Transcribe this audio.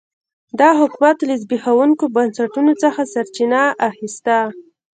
دا حکومت له زبېښونکو بنسټونو څخه سرچینه اخیسته.